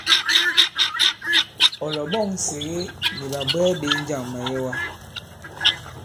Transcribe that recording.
Ɔ̀ lɔ̀ɓɔ̂ŋ Nsège nì ɓàbwɛɛ ɓē njâŋ màyɛwa?